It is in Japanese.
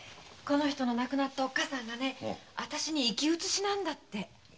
この人の亡くなったおっかさんがあたしに生き写しなんだって。